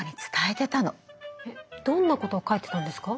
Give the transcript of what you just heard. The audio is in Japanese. えっどんなことを書いてたんですか？